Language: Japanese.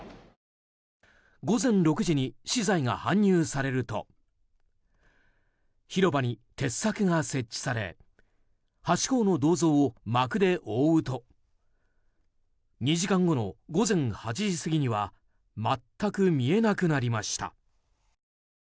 午前６時に資材が搬入されると広場に鉄柵が設置されハチ公の銅像を幕で覆うと２時間後の午前８時過ぎには全く見えなくなりました。